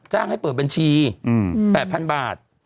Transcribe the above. ให้เปิดบัญชี๘๐๐๐บาท